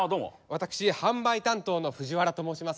私販売担当のふぢわらと申します。